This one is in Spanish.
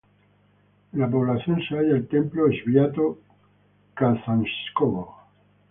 En la población se halla el templo "Sviato-Kazanskogo".